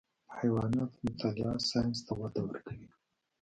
د حیواناتو مطالعه ساینس ته وده ورکوي.